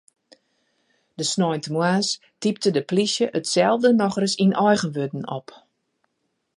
De sneintemoarns typte de plysje itselde nochris yn eigen wurden op.